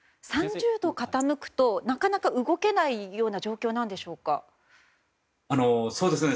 ３０度傾くとなかなか動けない状況でしょうか？